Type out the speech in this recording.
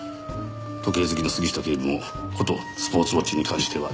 時計好きの杉下警部もことスポーツウオッチに関しては。